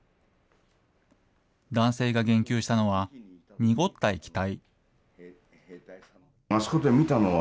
男性が言及したのは、濁った液体。